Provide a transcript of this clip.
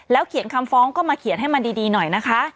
เขียนคำฟ้องก็มาเขียนให้มันดีหน่อยนะคะ